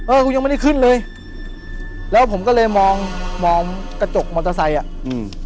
เออคุณยังไม่ได้ขึ้นเลยแล้วผมก็เลยมองกระจกมอเตอร์ไซค์